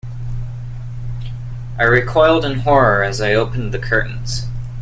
I recoiled in horror as I opened the curtains.